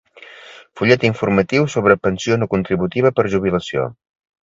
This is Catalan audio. Fullet informatiu sobre Pensió no contributiva per jubilació.